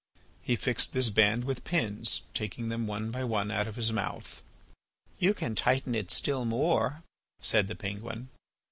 He fixed this band with pins, taking them one by one out of his mouth. "You can tighten it still more," said the penguin.